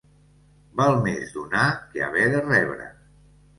Val més donar que haver de rebre.